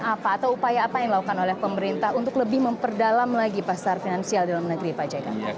apa instrumen atau upaya yang dilakukan oleh pemerintah untuk lebih memperdalam lagi pasar finansial di negeri pajak